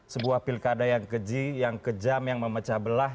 sebuah pilkada yang keji yang kejam yang memecah belah